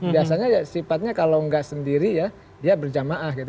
biasanya ya sifatnya kalau nggak sendiri ya dia berjamaah gitu